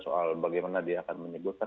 soal bagaimana dia akan menyebutkan